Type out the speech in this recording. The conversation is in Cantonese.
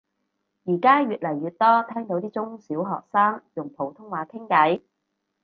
而家越嚟越多聽到啲中小學生用普通話傾偈